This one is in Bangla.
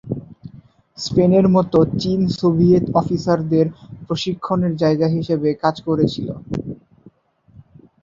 স্পেনের মতো, চীন সোভিয়েত অফিসারদের প্রশিক্ষণের জায়গা হিসাবে কাজ করেছিল।